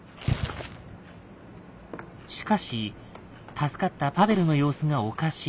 しかし助かったパヴェルの様子がおかしい。